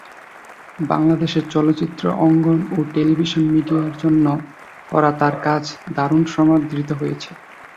বাংলাদেশের চলচ্চিত্র অঙ্গন ও টেলিভিশন মিডিয়ার জন্য করা তাঁর কাজ দারুণ সমাদৃত হয়েছে।